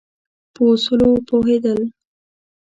په اصولو پوهېدل.